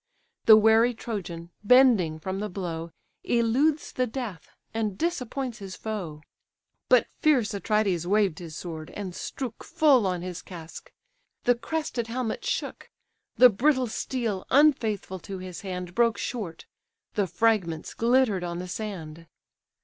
The wary Trojan, bending from the blow, Eludes the death, and disappoints his foe: But fierce Atrides waved his sword, and strook Full on his casque: the crested helmet shook; The brittle steel, unfaithful to his hand, Broke short: the fragments glitter'd on the sand.